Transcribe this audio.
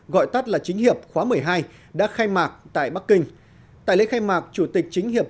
gọi tắt là chính hiệp khóa một mươi hai đã khai mạc tại bắc kinh tại lễ khai mạc chủ tịch chính hiệp